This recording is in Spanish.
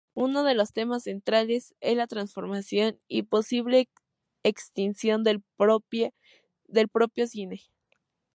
Uno de los temas centrales es la transformación y posible extinción del propio cine.